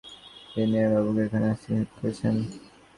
জিজ্ঞাসা করিল, বাবা কি বিনয়বাবুকে এখানে আসতে নিষেধ করেছেন?